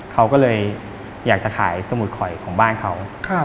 เขาก็เลยอยากจะขายสมุดข่อยของบ้านเขา